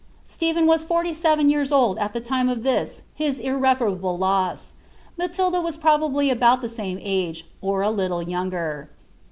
Stephen was forty seven years old at the time of this his irreparable loss ; Matilda was probably about the same age, or a little yoimger.